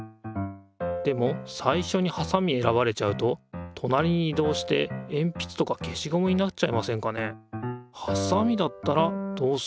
でもさいしょにはさみ選ばれちゃうととなりに移動してえんぴつとか消しゴムになっちゃいませんかね？